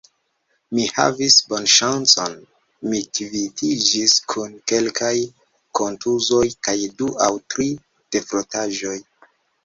Mi havis bonŝancon, mi kvitiĝis kun kelkaj kontuzoj kaj du aŭ tri defrotaĵoj.